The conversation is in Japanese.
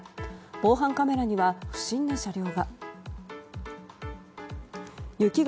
防犯カメラには不審な車両が。